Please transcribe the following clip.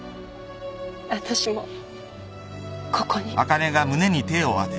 私もここに。